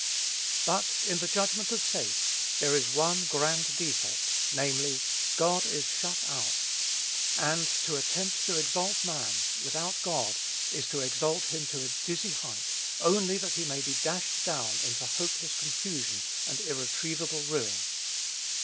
But, in the judgment of faith, there is one grand defect, namely, God is shut out; and to attempt to exalt man, without God, is to exalt him to a dizzy height only that he may be dashed down into hopeless confusion and irretrievable ruin.